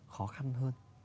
khó khăn hơn